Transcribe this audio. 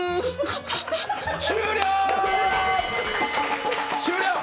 終了！